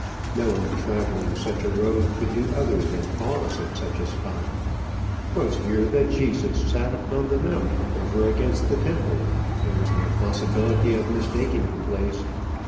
No one travelling such a road could do other than pause at such a spot. 'Twas here that Jesus "sat upon the mount, over against the temple." There is no possibility of mistaking the place.